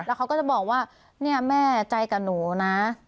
เขาก็จะบอกว่าเนี่ยแม่ใจกับหนูนะ